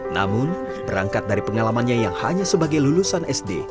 namun berangkat dari pengalamannya yang hanya sebagai lulusan sd